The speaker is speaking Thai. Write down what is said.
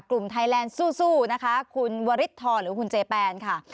กลุ่มไทยแลนด์สู้นะคะคุณวริทรหรือคุณเจแปนค่ะ